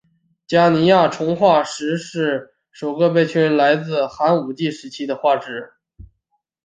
加尼亚虫化石是首个被确认为来自前寒武纪时期的化石。